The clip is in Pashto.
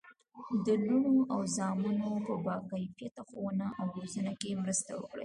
د لوڼو او زامنو په باکیفیته ښوونه او روزنه کې مرسته وکړي.